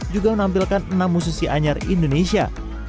juga menampilkan enam musisi anyar indonesia